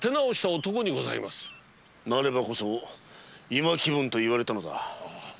なればこそ「今紀文」と言われたのだ。